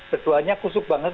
berdoanya kusuk banget